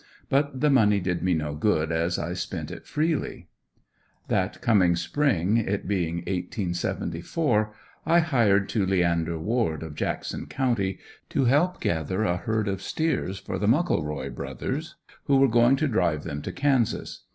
But the money did me no good as I spent it freely. That coming spring, it being 1874, I hired to Leander Ward of Jackson county to help gather a herd of steers for the Muckleroy Bros., who were going to drive them to Kansas.